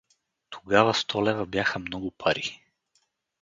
Тогава сто лева бяха много пари.